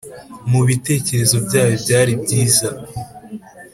mu bitekerezo byabo byari byiza